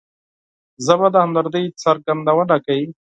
ژبه د همدردۍ څرګندونه کوي